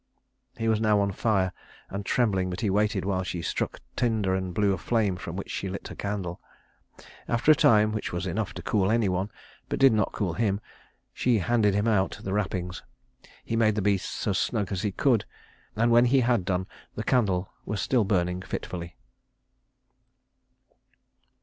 He was now on fire, and trembling, but he waited while she struck tinder and blew a flame from which she lit a candle. After a time which was enough to cool any one, but did not cool him, she handed him out the wrappings. He made the beasts as snug as he could, and when he had done the candle was still burning fitfully.